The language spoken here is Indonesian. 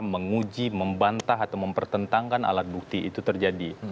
menguji membantah atau mempertentangkan alat bukti itu terjadi